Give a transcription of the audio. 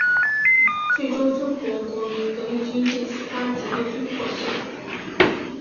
最终中国国民革命军第十八集团军获胜。